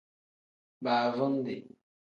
Baavundi.